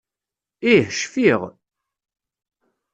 Ih, cfiɣ.